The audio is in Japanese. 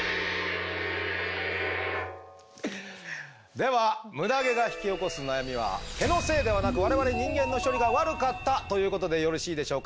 ではムダ毛が引き起こす悩みは毛のせいではなく我々人間の処理が悪かったということでよろしいでしょうか？